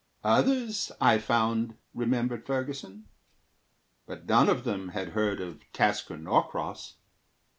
Others, I found, remembered Ferguson, But none of them had heard of Tasker Norcross.